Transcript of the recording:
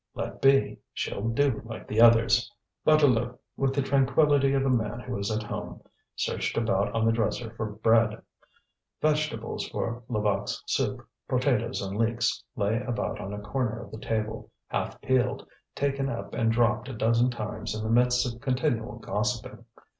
"Let be! she'll do like the others." Bouteloup, with the tranquillity of a man who is at home, searched about on the dresser for bread. Vegetables for Levaque's soup, potatoes and leeks, lay about on a corner of the table, half peeled, taken up and dropped a dozen times in the midst of continual gossiping.